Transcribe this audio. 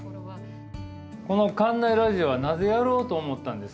この館内ラジオはなぜやろうと思ったんですか？